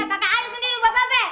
pakai aja sendiri bapak pe